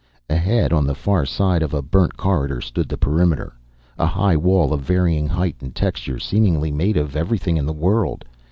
Ahead, on the far side of a burnt corridor, stood the perimeter. A high wall, of varying height and texture, seemingly made of everything in the world.